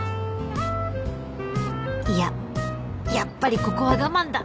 いややっぱりここは我慢だ。